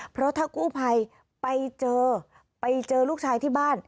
เพราะถ้ากู้ภัยไปเจอไปเจอลูกชายที่บ้าน